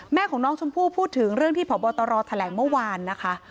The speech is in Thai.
แม่ของน้องชมพู่พูดถึงเรื่องที่พบตรแถลงเมื่อวานนะคะ